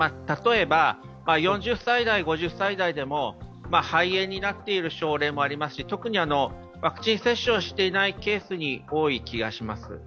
例えば、４０歳代、５０歳代でも肺炎になっている症例もありますし特にワクチン接種をしていないケースに多い気がします。